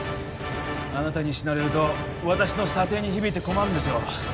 あなたに死なれると私の査定に響いて困るんですよ